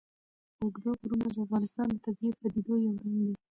اوږده غرونه د افغانستان د طبیعي پدیدو یو رنګ دی.